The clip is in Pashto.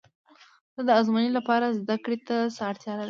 زه د ازموینې لپاره زده کړې ته څه اړتیا لرم؟